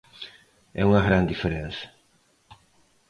É unha gran diferenza.